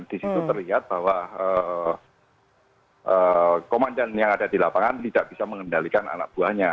di situ terlihat bahwa komandan yang ada di lapangan tidak bisa mengendalikan anak buahnya